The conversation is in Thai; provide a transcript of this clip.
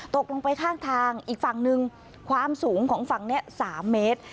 ตกลงไปข้างทางอีกฝั่งหนึ่งความสูงของฝั่งนี้๓เมตร